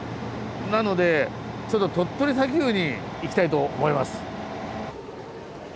なのでちょっと鳥取砂丘に行きたいと思います。